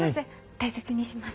大切にします。